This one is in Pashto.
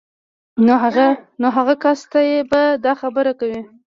نو هغې کس ته به دا خبره کوئ